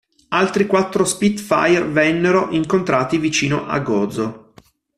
Altri quattro Spitfire vennero incontrati vicino a Gozo.